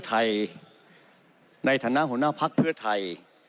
ไทยในฐานะหัวหน้าภัคเพื่อไทย